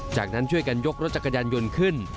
จากนั้นช่วยกันยกรถจักรยานยนต์ขึ้น